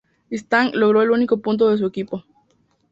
Stagg logró el único punto de su equipo.